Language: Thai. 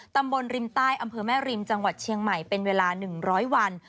ตำบลริมใต้อำเภอแม่ริมจังหวัดเชียงใหม่เป็นเวลา๑๐๐วัน